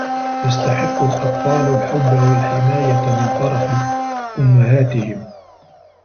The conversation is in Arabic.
يستحقّ الأطفال الحبّ و الحماية من طرف أمّهاتهم.